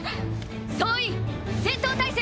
総員戦闘態勢！